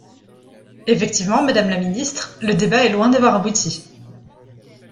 Effectivement, madame la ministre : le débat est loin d’avoir abouti.